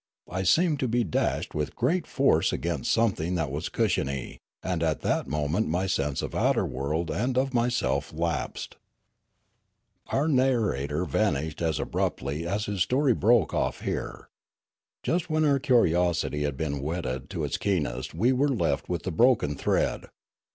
I seemed to be dashed with great force against something that was cushiony, and at that moment my sense of the outer world and of myself lapsed. POSTSCRIPT TO RIALLARO Our narrator vanished as abruptly as his story broke off here. Just when our curiosity had been whetted to its keenest we were left with the broken thread.